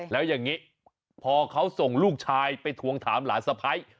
แล้วอย่างนี้พอเขาส่งลูกชายไปทวงถามหลานสะพ้าย